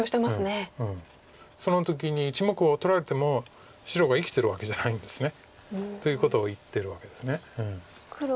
その時に１目を取られても白が生きてるわけじゃないんです。ということを言ってるわけです。